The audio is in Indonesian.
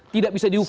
tidak bisa diukur